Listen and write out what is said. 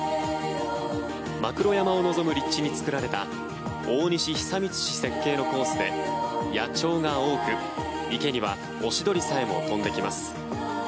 真黒山を望む立地に作られた大西久光氏設計のコースで野鳥が多く、池にはオシドリさえも飛んできます。